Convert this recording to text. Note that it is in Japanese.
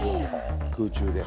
空中で。